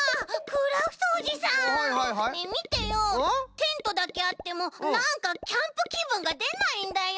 テントだけあってもなんかキャンプきぶんがでないんだよ！